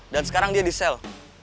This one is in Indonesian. dan sekarang dia di sel